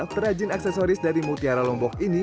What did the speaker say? perajin aksesoris dari mutiara lombok ini